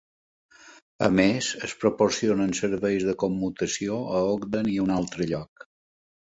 A més, es proporcionen serveis de commutació a Ogden i a un altre lloc.